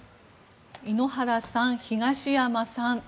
井ノ原さん、東山さん